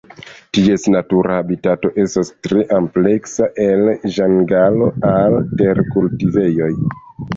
Ties natura habitato estas tre ampleksa el ĝangalo al terkultivejoj.